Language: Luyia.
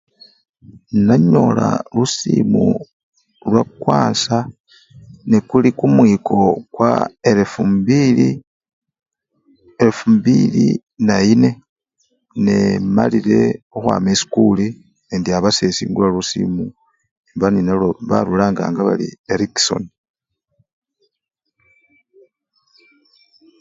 Nanyola lusimu lwakwanza nekulikumwiko kwa elefu mbili! elefu mbili nayine nemalile khukhwama esikuli nendi aba sesi ngula lusimu nemba nenalwo balulanganga bari erikson.